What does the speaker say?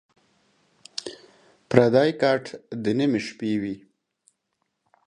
پردی کټ دَ نیمې شپې وي